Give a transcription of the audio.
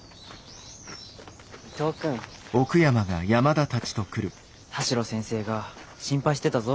田代先生が心配してたぞ。